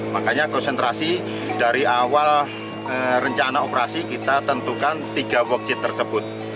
makanya konsentrasi dari awal rencana operasi kita tentukan tiga boksit tersebut